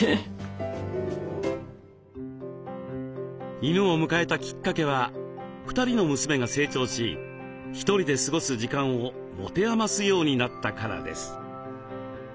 犬を迎えたきっかけは２人の娘が成長し１人で過ごす時間を持て余すようになったからです。